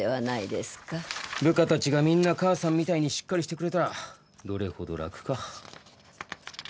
部下たちがみんなかあさんみたいにしっかりしてくれたらどれほど楽か。